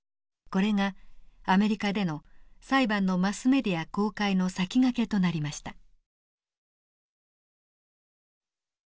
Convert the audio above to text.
これがアメリカでの裁判のマスメディア公開の先駆けとなりました。